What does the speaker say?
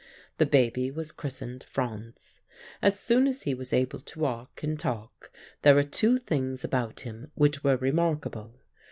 The baby was christened Franz. As soon as he was able to walk and talk there were two things about him which were remarkable.